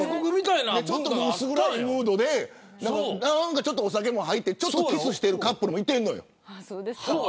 薄暗いムードでお酒も入ってちょっとキスしてるカップルもいてるのよ。